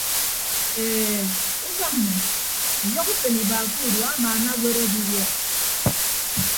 E ukañ nnyịn ọyọhọ usen iba ke urua amaana aweere adiwuọ.